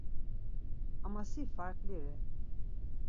Ama si farǩli re.